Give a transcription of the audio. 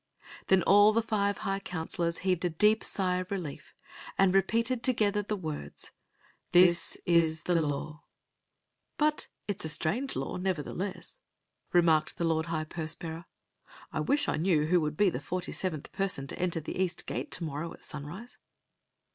Then all the five high counselors heaved a deep sigh of relief and repeated together the words: "This is the law." " But it s a strange law, nevertheless*" remarked 28 Oueen Zixi of Ix the lord high purse bearer. "I wish I knew who will be the forty seventh person to enter the east gate to morrow at sunrise."